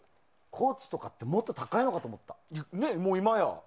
コーチとかってもっと高いのかと思った。